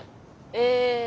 え